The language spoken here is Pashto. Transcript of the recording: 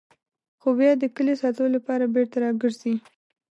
خو بیا د کلي ساتلو لپاره بېرته راګرځي.